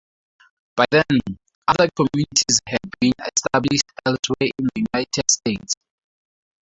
By then, other communities had been established elsewhere in the United States.